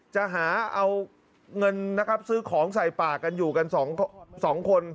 จะหาเงินซื้อของใส่ปากอยู่กัน๒คน